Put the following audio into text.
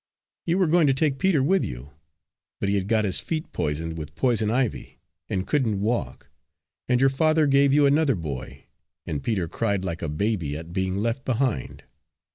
You were going to take Peter with you, but he had got his feet poisoned with poison ivy, and couldn't walk, and your father gave you another boy, and Peter cried like a baby at being left behind.